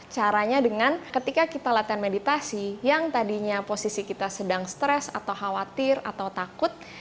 caranya dengan ketika kita latihan meditasi yang tadinya posisi kita sedang stres atau khawatir atau takut